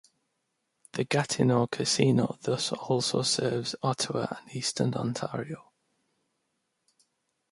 The Gatineau casino thus also serves Ottawa and Eastern Ontario.